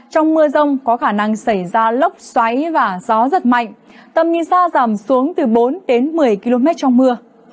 trong mưa rông có khả năng xảy ra lốc xoáy và gió giật mạnh tầm nhìn xa giảm xuống từ bốn đến một mươi km trong mưa